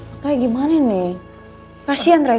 aku mau ke sana